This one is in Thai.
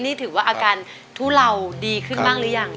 นี่ถือว่าอาการทุเลาดีขึ้นบ้างหรือยัง